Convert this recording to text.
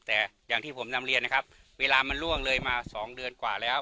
แต่อย่างที่ผมนำเรียนนะครับเวลามันล่วงเลยมา๒เดือนกว่าแล้ว